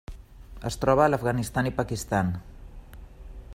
Es troba a l'Afganistan i Pakistan.